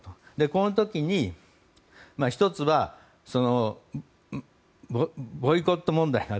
この時に、１つはボイコット問題が。